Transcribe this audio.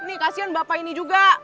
nih kasian bapak ini juga